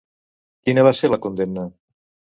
Quina va ser la condemna?